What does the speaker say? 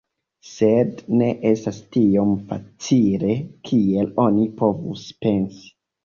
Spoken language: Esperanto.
Sed ne estas tiom facile kiel oni povus pensi.